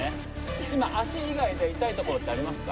今足以外で痛いところってありますか？